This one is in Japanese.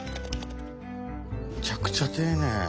むちゃくちゃ丁寧。